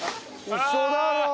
ウソだろぉ